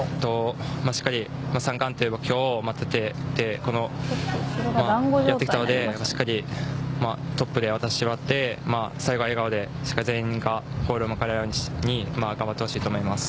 しっかり３冠という目標を立てて、やってきたのでしっかりトップで渡してもらって最後は笑顔で全員がゴールを迎えられるように頑張ってほしいと思います。